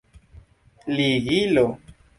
ligilo